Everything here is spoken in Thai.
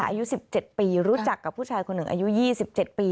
อายุ๑๗ปีรู้จักกับผู้ชายคนหนึ่งอายุ๒๗ปี